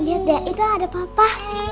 ada lihat deh itu ada papa